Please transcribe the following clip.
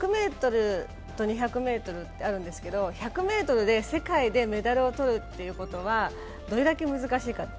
また、１００ｍと２００ｍがあるんですけど１００ｍで世界でメダルを取るということがどれだけ難しいことか。